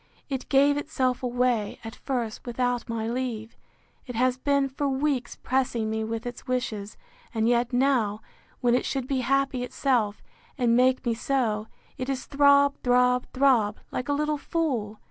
—It gave itself away, at first, without my leave; it has been, for weeks, pressing me with its wishes; and yet now, when it should be happy itself, and make me so, it is throb, throb, throb, like a little fool!